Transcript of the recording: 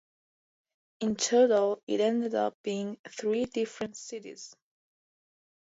In total, it ended up being three different cities.